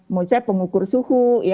mau saya pengukur suhu ya